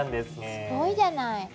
すごいじゃない！